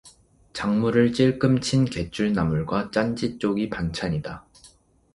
장물을 찔금 친 갯줄나물과 짠지쪽이 반찬이다.